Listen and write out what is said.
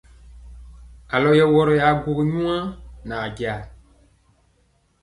Alɔ yɛ wɔrɔ ya gwogini nyuwa nɛ ajaa.